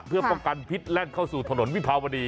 เพื่อป้องกันพิษแล่นเข้าสู่ถนนวิภาวดี